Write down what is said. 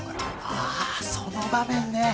あその場面ね。